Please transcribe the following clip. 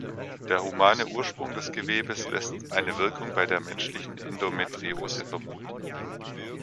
Der humane Ursprung des Gewebes lässt eine Wirkung bei der menschlichen Endometriose vermuten.